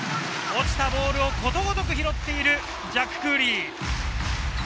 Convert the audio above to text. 落ちたボールをことごとく拾っているジャック・クーリー。